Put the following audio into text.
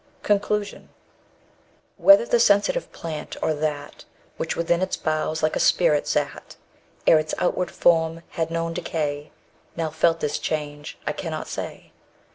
CONCLUSION. Whether the Sensitive Plant, or that Which within its boughs like a Spirit sat, _115 Ere its outward form had known decay, Now felt this change, I cannot say.